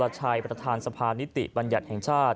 นายพรเพชรชนลชัยประธานสภานิติบัญญัติแห่งชาติ